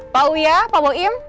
pak wia pak woyim